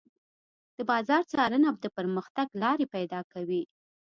د بازار څارنه د پرمختګ لارې پيدا کوي.